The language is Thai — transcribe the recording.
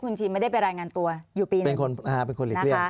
คุณชินไม่ได้ไปรายงานตัวอยู่ปีหนึ่ง